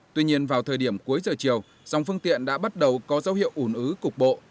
tuy nhiên vào thời điểm cuối giờ chiều dòng phương tiện đã bắt đầu có dấu hiệu ủn ứ cục bộ